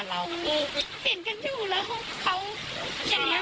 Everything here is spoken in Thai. เห็นกันอยู่แล้วเขาเห็นแล้วเราก็ตกใจถึงกับ